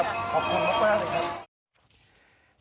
ขอบคุณครับขอบคุณมากเลยครับ